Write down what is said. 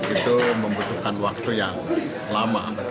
itu membutuhkan waktu yang lama